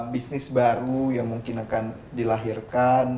bisnis baru yang mungkin akan dilahirkan